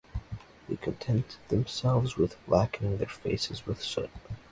They contented themselves with blackening their faces with soot.